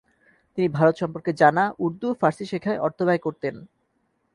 তিনি ভারত সম্পর্কে জানা, উর্দু, ফার্সি শেখায় অর্থব্যয় করতেন।